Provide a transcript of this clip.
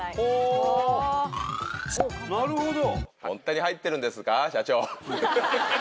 なるほど。